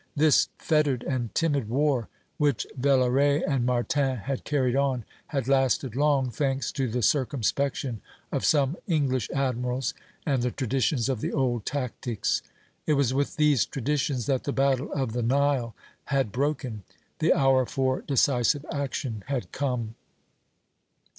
This fettered and timid war, which Villaret and Martin had carried on, had lasted long, thanks to the circumspection of some English admirals and the traditions of the old tactics. It was with these traditions that the battle of the Nile had broken; the hour for decisive action had come."